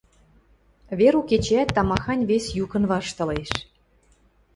Верук эчеӓт тамахань вес юкын ваштылеш.